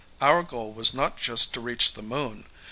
Our goal was not just to reach the Moon.